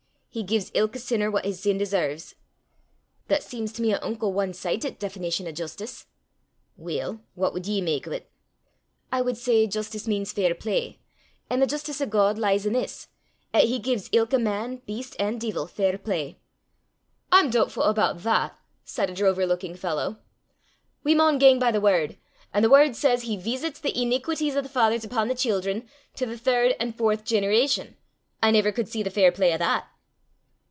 He gies ilka sinner what his sin deserves." "That seems to me an unco ae sidit definition o' justice." "Weel, what wad ye mak o' 't?" "I wad say justice means fair play; an' the justice o' God lies i' this, 'at he gies ilka man, beast, an' deevil, fair play." "I'm doobtfu' aboot that!" said a drover looking fellow. "We maun gang by the word; an' the word says he veesits the ineequities o' the fathers upo' the children to the third an' fourth generation: I never could see the fair play o' that!"